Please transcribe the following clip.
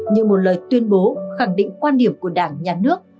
như một lời tuyên bố khẳng định quan điểm của đảng nhà nước